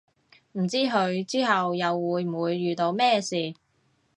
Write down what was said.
唔知佢之後又會唔會遇到咩事